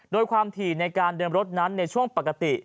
โดยความถี่ในการเดินรถนั้นในช่วงปกติ